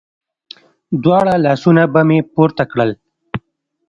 دواړه لاسونه به مې پورته کړل.